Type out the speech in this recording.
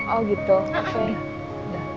oh gitu oke